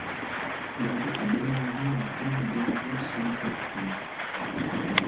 Il remporte la médaille d'argent dans l'épreuve du dériveur solitaire finn.